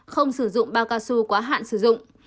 không sử dụng bao cao su quá hạn sử dụng